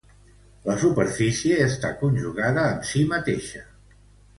La superfície està conjugada amb si mateixa.